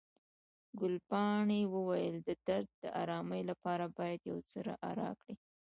ګلپاڼې وویل، د درد د آرامي لپاره باید یو څه راکړئ.